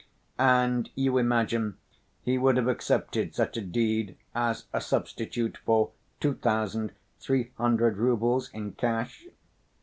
"And you imagine he would have accepted such a deed as a substitute for two thousand three hundred roubles in cash?"